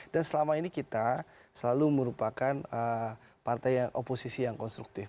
dan selama ini kita selalu merupakan partai yang oposisi yang konstruktif